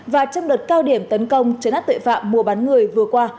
và trong đợt cao điểm tấn công chấn át tội phạm mua bán người vừa qua